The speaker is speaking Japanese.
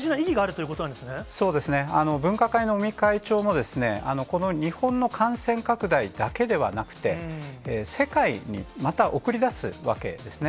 そうですね、分科会の尾身会長も、この日本の感染拡大だけではなくて、世界にまた送り出すわけですね。